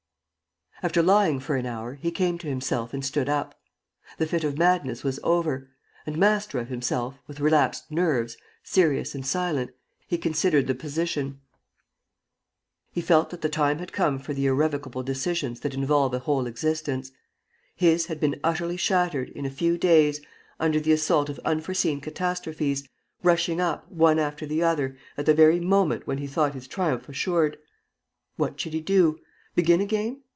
After lying for an hour, he came to himself and stood up. The fit of madness was over; and, master of himself, with relaxed nerves, serious and silent, he considered the position. He felt that the time had come for the irrevocable decisions that involve a whole existence. His had been utterly shattered, in a few days, under the assault of unforeseen catastrophes, rushing up, one after the other, at the very moment when he thought his triumph assured. What should he do? Begin again?